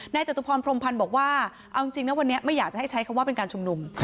จตุพรพรมพันธ์บอกว่าเอาจริงนะวันนี้ไม่อยากจะให้ใช้คำว่าเป็นการชุมนุม